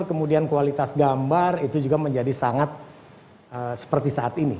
kemudian kualitas gambar itu juga menjadi sangat seperti saat ini